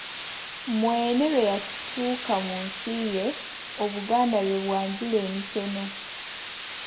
Mwene lwe yatuuka mu nsi ye, Obuganda lwe bwanjula emisono.